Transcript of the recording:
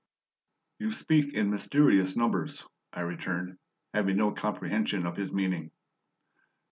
"You speak in mysterious numbers," I returned, having no comprehension of his meaning.